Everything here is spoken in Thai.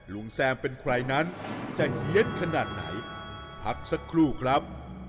แซมเป็นใครนั้นจะเฮียดขนาดไหนพักสักครู่ครับ